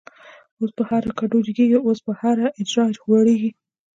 اوس په هر کډو جگیږی، اوس په هر”اجړ” خوریږی